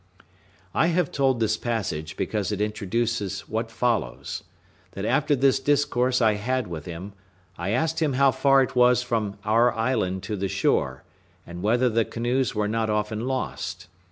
I have told this passage, because it introduces what follows: that after this discourse I had with him, I asked him how far it was from our island to the shore, and whether the canoes were not often lost.